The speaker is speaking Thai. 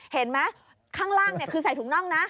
เห็นไหมข้างล่างคือใส่ถุงน่องนะ